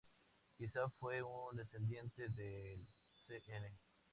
Quizás fue un descendiente del Cn.